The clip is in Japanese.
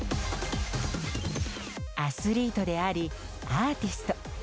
アスリートでありアーティスト。